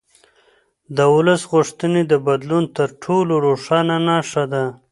د ولس غوښتنې د بدلون تر ټولو روښانه نښه ده